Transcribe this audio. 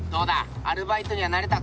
アルバイトには慣れたか？